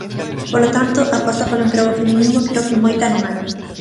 Polo tanto, aposta polo emprego feminino creo que moita non hai.